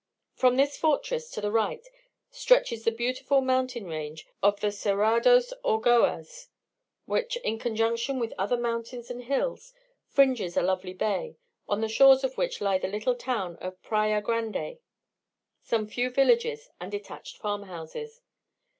From this fortress, to the right, stretches the beautiful mountain range of the Serados Orgoas, which, in conjunction with other mountains and hills, fringes a lovely bay, on the shores of which lie the little town of Praya grande, some few villages and detached farmhouses.